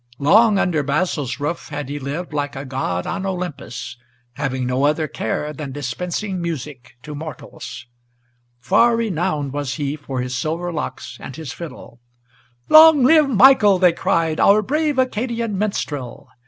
Long under Basil's roof had he lived like a god on Olympus, Having no other care than dispensing music to mortals. Far renowned was he for his silver locks and his fiddle. "Long live Michael," they cried, "our brave Acadian minstrel!"